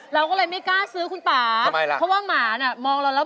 เราก็เลยไม่กล้าซื้อคุณป่าทำไมล่ะเพราะว่าหมาน่ะมองเราแล้ว